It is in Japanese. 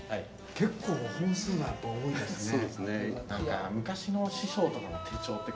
結構本数がやっぱ多いですね。